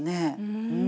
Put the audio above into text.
うん。